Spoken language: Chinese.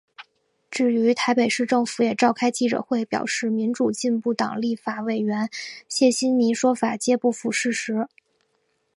至于台北市政府也召开记者会表示民主进步党立法委员谢欣霓说法皆不符事实。